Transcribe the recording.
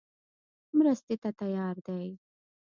مرستې ته تیار دی.